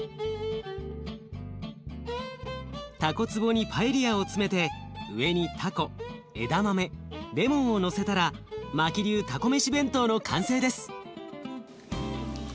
たこ壺にパエリアを詰めて上にたこ枝豆レモンをのせたらマキ流たこ飯弁当の完成です。